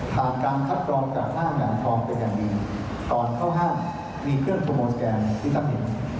ทางการคัดกรอบจากห้างหลานทองไปกันดีตอนเข้าห้างมีเพื่อนโทโมสแกนที่จะเห็น